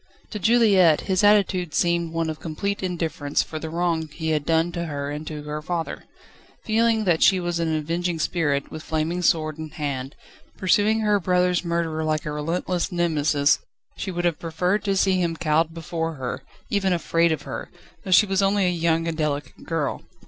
To Juliette his attitude seemed one of complete indifference for the wrong he had done to her and to her father: feeling that she was an avenging spirit, with flaming sword in hand, pursuing her brother's murderer like a relentless Nemesis, she would have preferred to see him cowed before her, even afraid of her, though she was only a young and delicate girl.